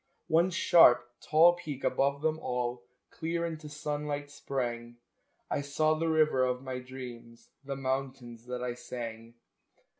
One sharp, tall peak above them all Clear into sunlight sprang I saw the river of my dreams, The mountains that I sang!